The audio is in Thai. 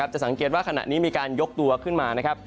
จะสังเกตว่าขณะนี้มีการยกตัวขึ้นมานะครับ